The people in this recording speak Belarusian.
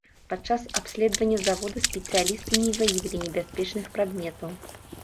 Падчас абследавання завода спецыялісты не выявілі небяспечных прадметаў.